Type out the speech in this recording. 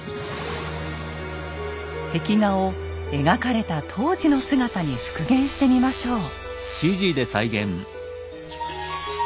壁画を描かれた当時の姿に復元してみましょう。